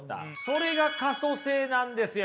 それが可塑性なんですよ。